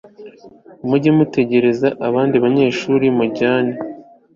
mujye mutegereza abandi banyeshuri mujyane